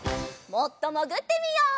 もっともぐってみよう。